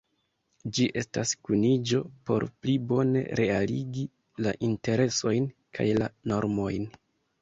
Ĝi estas kuniĝo por pli bone realigi la interesojn kaj la normojn.